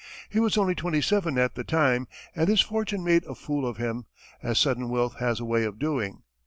He was only twenty seven at the time, and his fortune made a fool of him, as sudden wealth has a way of doing.